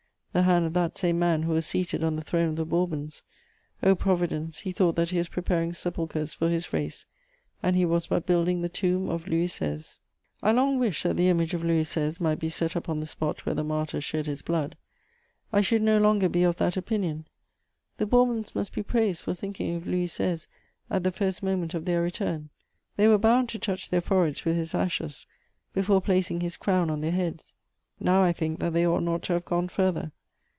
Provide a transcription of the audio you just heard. The hand of that same man who was seated on the throne of the Bourbons! O Providence, he thought that he was preparing sepulchres for his race, and he was but building the tomb of Louis XVI.!" I long wished that the image of Louis XVI. might be set up on the spot where the martyr shed his blood: I should no longer be of that opinion. The Bourbons must be praised for thinking of Louis XVI. at the first moment of their return. They were bound to touch their foreheads with his ashes, before placing his crown on their heads. Now I think that they ought not to have gone further.